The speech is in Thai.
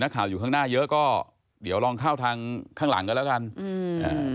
ข่าวอยู่ข้างหน้าเยอะก็เดี๋ยวลองเข้าทางข้างหลังกันแล้วกันอืมอ่า